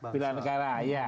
bilang negara ya